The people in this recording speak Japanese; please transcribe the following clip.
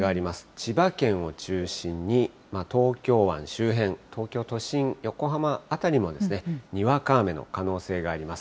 千葉県を中心に、東京湾周辺、東京都心、横浜辺りもにわか雨の可能性があります。